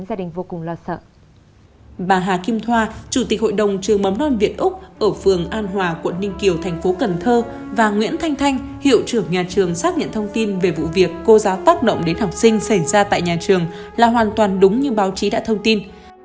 trường bấm non việt úc ở phường an hòa quận ninh kiều thành phố cần thơ và nguyễn thanh thanh hiệu trưởng nhà trường xác nhận thông tin về vụ việc cô giáo tác động đến học sinh xảy ra tại nhà trường là hoàn toàn đúng như báo chí đã thông tin